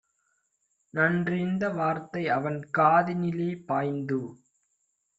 நன்றிந்த வார்த்தைஅவன் காதினிலே பாய்ந்து